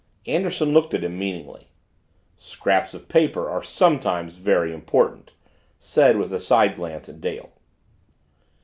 Anderson looked at him meaningly. "Scraps of paper are sometimes very important," said with a side glance at Dale.